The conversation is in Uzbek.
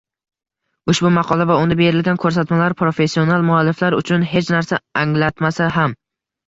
Ushbu maqola va unda berilgan ko’rsatmalar professional mualliflar uchun hech narsa anglatmasa ham